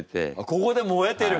ここでもえてる！